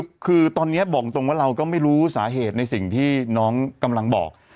คือตอนนี้บอกตรงว่าเราก็ไม่รู้สาเหตุในสิ่งที่น้องกำลังบอก